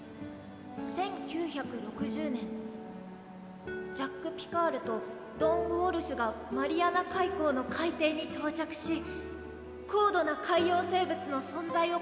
「１９６０年ジャック・ピカールとドン・ウォルシュがマリアナ海溝の海底に到着し高度な海洋生物の存在を確認した」。